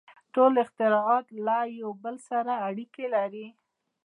• ټول اختراعات له یو بل سره اړیکې لري.